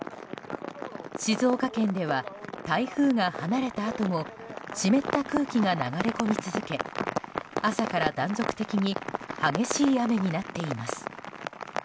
静岡県では台風が離れたあとも湿った空気が流れ込み続け朝から断続的に激しい雨になっています。